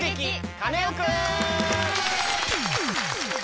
カネオくん」！